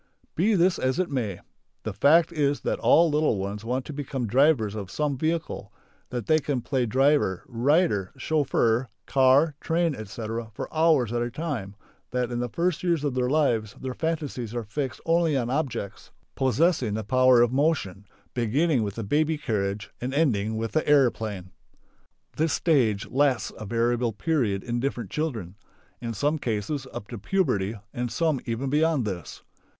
Be this as it may. The fact is that all the little ones want to become drivers of some vehicle, that they can play driver, rider, chauffeur, car, train, etc., for hours at a time, that in the first years of their lives their fantasies are fixed only on objects possessing the power of motion, beginning with the baby carriage and ending with the aeroplane. This stage lasts a variable period in different children. In some cases up to puberty and some even beyond this.